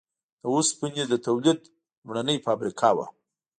د اوسپنې د تولید لومړنۍ فابریکه وه.